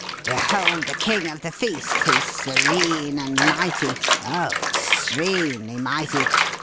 Behold the king of the feast, his serene and mighty oh extremely mighty!